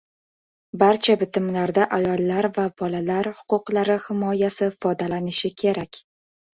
Barcha bitimlarda ayollar va bolalar huquqlari himoyasi ifodalanishi kerak.